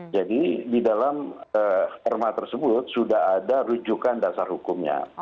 jadi di dalam perma tersebut sudah ada rujukan dasar hukumnya